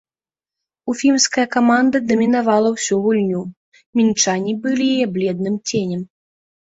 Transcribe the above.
Уфімская каманда дамінавала ўсю гульню, мінчане былі яе бледным ценем.